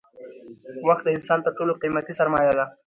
وخت د انسان تر ټولو قیمتي سرمایه ده